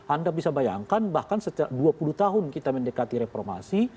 anda bisa bayangkan bahkan setelah dua puluh tahun kita mendekati reformasi